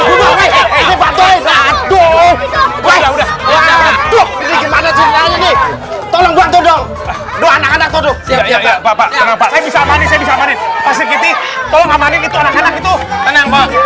urusan keamanan urusan saya urusan tanggung jawab saya biar saya tanganin